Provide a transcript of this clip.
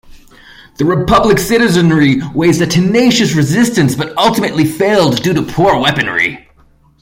The Republic's citizenry waged a tenacious resistance, but ultimately failed due to poor weaponry.